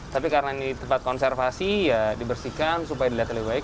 tapi karena ini tempat konservasi ya dibersihkan supaya dilihat lebih baik